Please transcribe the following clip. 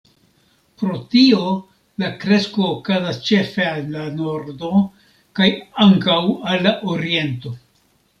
Pro tio la kresko okazas ĉefe al la nordo kaj ankaŭ al la oriento.